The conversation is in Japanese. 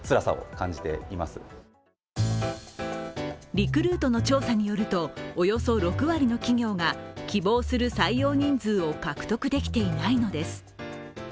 リクルートの調査によると、およそ６割の企業が希望する採用人数を獲得できていないのです。